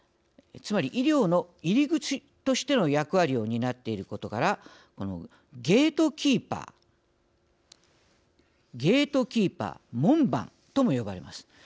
つまり医療の入り口としての役割を担っていることからゲートキーパー門番とも呼ばれます。